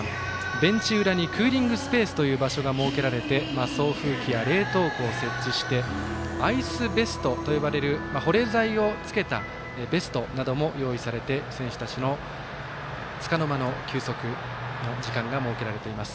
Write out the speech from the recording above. ベンチ裏にクーリングスペースというところ設けられて送風機や冷凍庫を設置してアイスベストと呼ばれる保冷剤をつけたベストなども用意されて選手たちのつかの間の休息の時間が設けられています。